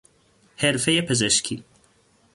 حرفهی پزشکی